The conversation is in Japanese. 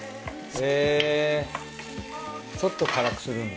へぇちょっと辛くするんだ。